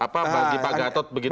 bagaimana bagi pak gatot begitu ya